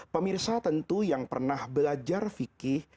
pemirsa tentu yang pernah belajar fikih